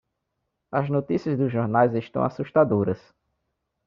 as notícias dos jornais estão assustadoras